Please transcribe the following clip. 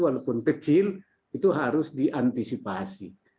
walaupun kecil itu harus diantisipasi